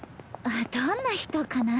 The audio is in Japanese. どんな人かな？